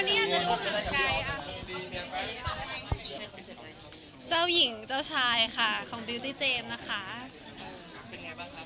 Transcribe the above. เป็นไงบ้างครับหนักไหมครับกับเครื่องเพชรที่เราใส่มานี่